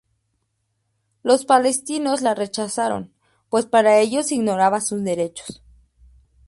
Los palestinos la rechazaron, pues para ellos ignoraba sus derechos.